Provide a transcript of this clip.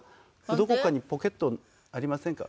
どこかにポケットありませんか？